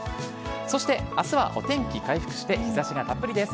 そして明日はお天気回復して日差しがたっぷりです。